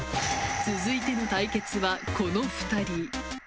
続いての対決はこの２人。